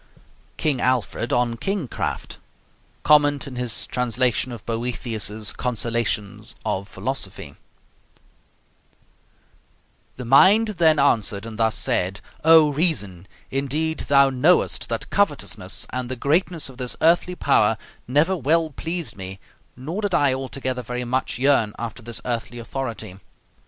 KING ALFRED ON KING CRAFT Comment in his Translation of Boethius's 'Consolations of Philosophy' The mind then answered and thus said: O Reason, indeed thou knowest that covetousness and the greatness of this earthly power never well pleased me, nor did I altogether very much yearn after this earthly authority.